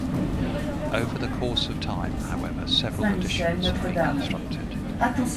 Over the course of time, however, several additions have been constructed.